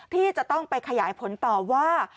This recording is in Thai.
ที่จะต้องไปขยายผลต่อว่า